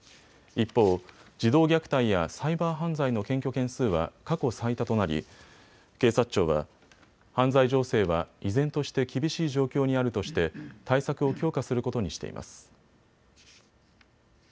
一方、児童虐待やサイバー犯罪の検挙件数は過去最多となり警察庁は犯罪情勢は依然として厳しい状況にあるとして対策を強化することにしています。